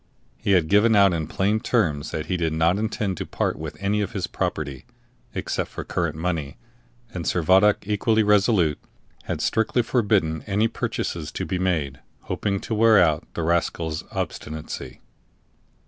He had given out in plain terms that he did not intend to part with any of his property, except for current money, and Servadac, equally resolute, had strictly forbidden any purchases to be made, hoping to wear out the rascal's obstinacy.